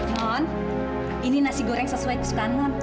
non ini nasi goreng sesuai kesukaan non